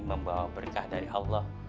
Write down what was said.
membawa berkah dari allah